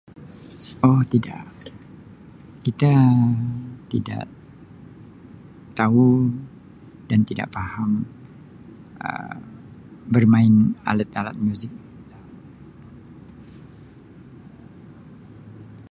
Oh tidak. Kita tidak tahu dan tidak faham Um bermain alat-alat muzik.